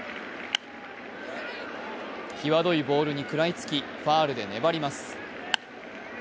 際どいボールに食らいつきファウルで粘ります。